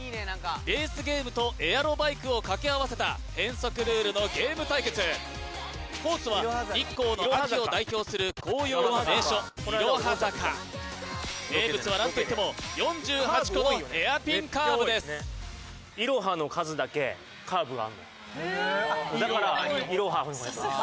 レースゲームとエアロバイクを掛け合わせた変則ルールのゲーム対決コースは日光の秋を代表する紅葉の名所いろは坂名物は何といっても４８個のヘアピンカーブですだから「いろはにほへと」